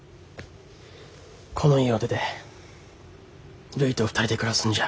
この家を出てるいと２人で暮らすんじゃ。